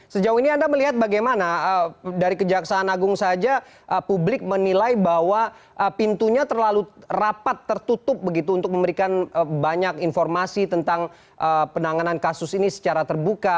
sejauh ini anda melihat bagaimana dari kejaksaan agung saja publik menilai bahwa pintunya terlalu rapat tertutup begitu untuk memberikan banyak informasi tentang penanganan kasus ini secara terbuka